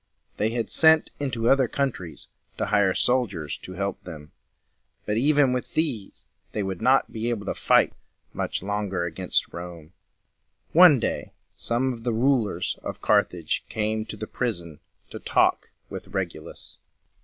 They had sent into other countries to hire soldiers to help them; but even with these they would not be able to fight much longer against Rome. One day some of the rulers of Carthage came to the prison to talk with Regulus.